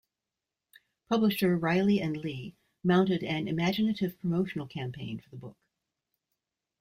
Publisher Reilly and Lee mounted an imaginative promotional campaign for the book.